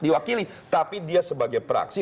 diwakili tapi dia sebagai praksi